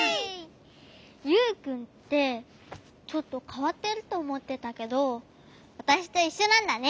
ユウくんってちょっとかわってるとおもってたけどわたしといっしょなんだね。